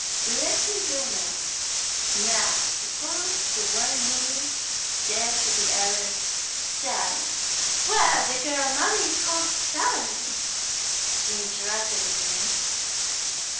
'Let me go on. Now, suppose the one mummy said to the other, "Sally "' 'Were the girl mummies called Sally?' she interrupted again.